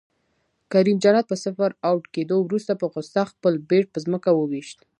کریم جنت په صفر اؤټ کیدو وروسته په غصه خپل بیټ په ځمکه وویشت